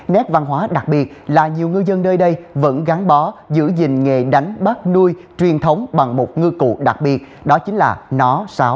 nét văn hóa đặc biệt là nhiều ngư dân nơi đây vẫn gắn bó giữ gìn nghề đánh bắt nuôi truyền thống bằng một ngư cụ đặc biệt đó chính là nó sáo